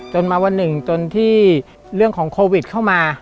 จนมาวันหนึ่งจนที่เรื่องของโควิดเข้ามา